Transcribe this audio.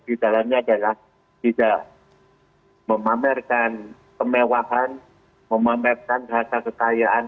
di dalamnya adalah tidak memamerkan kemewahan memamerkan harta kekayaan